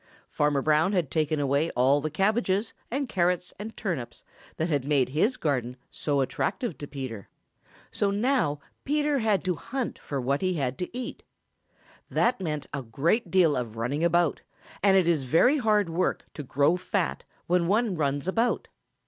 Farmer Brown had taken away all the cabbages and carrots and turnips that had made his garden so attractive to Peter. So now Peter had to hunt for what he had to eat. That made a great deal of running about, and it is very hard work to grow fat when one runs about.